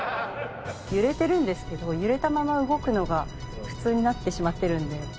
揺れてるんですけど揺れたまま動くのが普通になってしまっているので。